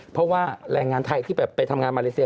เพราะว่าแรงงานไทยที่แบบไปทำงานมาเลเซีย